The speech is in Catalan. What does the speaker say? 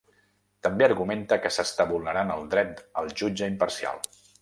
També argumenta que s’està vulnerant ‘el dret al jutge imparcial’.